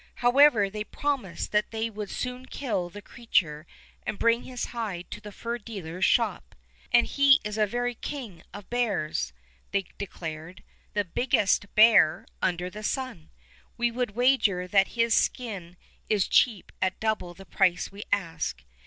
However, they promised that they would soon kill the crea ture and bring his hide to the fur dealer's shop. ''And he is a very king of bears," they de clared — "the biggest bear under the sun. We would wager that his skin is cheap at double the price we ask.